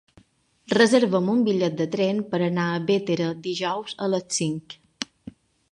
Reserva'm un bitllet de tren per anar a Bétera dijous a les cinc.